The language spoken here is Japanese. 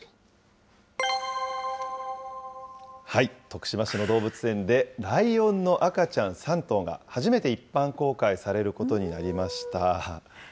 徳島市の動物園で、ライオンの赤ちゃん３頭が初めて一般公開されることになりました。